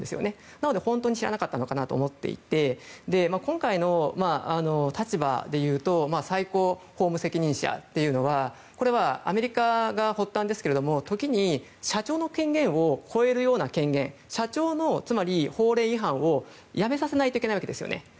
なので本当に知らなかったと思っていて今回の立場でいうと最高法務責任者というのはアメリカが発端ですが時に、社長の権限を越えるような権限社長の法令違反をやめさせないといけないわけですね。